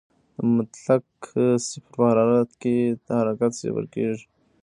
د مطلق صفر په حرارت کې حرکت صفر کېږي.